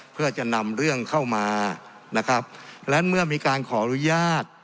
เพื่อจะนำเรื่องเข้ามานะครับและเมื่อมีการขออนุญาต